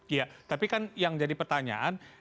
iya tapi kan yang jadi pertanyaan